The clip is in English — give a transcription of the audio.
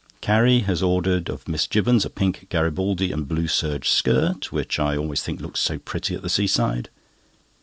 Carrie has ordered of Miss Jibbons a pink Garibaldi and blue serge skirt, which I always think looks so pretty at the seaside.